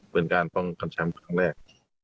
เพื่อนการต้องคันช้ำครั้งแรก